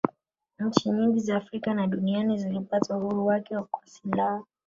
nchi nyingi za afrika na duniani zilipata uhuru wake kwa silaha